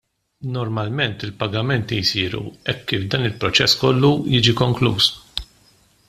Normalment il-pagamenti jsiru hekk kif dan il-proċess kollu jiġi konkluż.